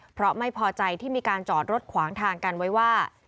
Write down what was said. เพราะไม่พอใจที่มีการจอดรถขวางทางกันไว้ว่า